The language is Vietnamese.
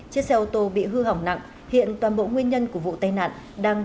chiếc xe ô tô bị hư hỏng nặng hiện toàn bộ nguyên nhân của vụ tai nạn đang